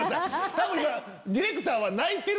多分ディレクターは。